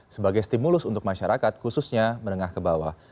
sebagai stimulus untuk masyarakat khususnya menengah ke bawah